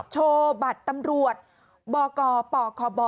โชว์บัตรตำรวจบกพบก็คือ